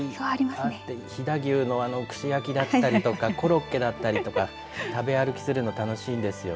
あって、飛騨牛の串焼きだったりとかコロッケだったりとか食べ歩きするの楽しいんですよね。